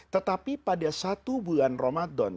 tetapi pada satu bulan ramadan